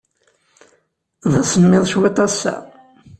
D asemmiḍ cwiṭ ass-a.